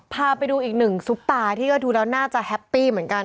พาไปดูอีกหนึ่งซุปตาที่ก็ดูแล้วน่าจะแฮปปี้เหมือนกัน